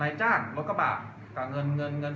แต่ว่าเมืองนี้ก็ไม่เหมือนกับเมืองอื่น